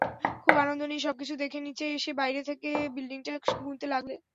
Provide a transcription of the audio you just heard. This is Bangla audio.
খুব আনন্দ নিয়ে সবকিছু দেখে নিচে এসে বাইরে থেকে বিল্ডিংটা গুনতে লাগলে।